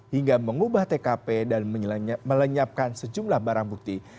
hingga mengubah tkp dan melenyapkan sejumlah barang bukti